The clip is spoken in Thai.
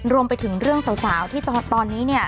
รวมไปถึงเรื่องสาวที่ตอนนี้เนี่ย